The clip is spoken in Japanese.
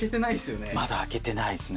まだ開けてないんすよね。